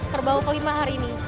kerbau kelima hari ini